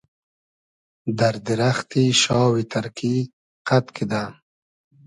دئر دیرئختی شاوی تئرکی قئد کیدۂ